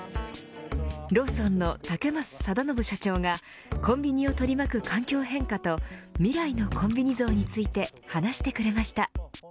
ローソンの竹増貞信社長がコンビニを取り巻く環境変化と未来のコンビニ像について話してくれました。